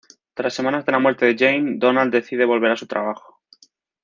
Tras semanas de la muerte de Jane, Donald decide volver a su trabajo.